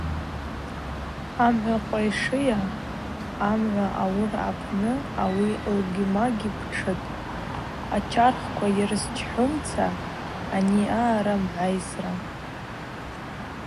Амгӏва къвайшӏыйа, амгӏва ауыра апны ауи лгвимагьи птшытӏ, ачархква йырзычхӏузма ани аъара мгӏвайсра.